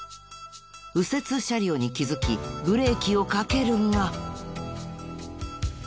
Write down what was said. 右折車両に気づきブレーキをかけるが。